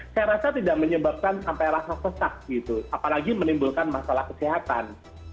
saya rasa tidak menyebabkan sampai rasa sesak gitu apalagi menimbulkan masalah kesehatan